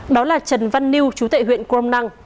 đó là trần văn niu chú tệ huyện grom nang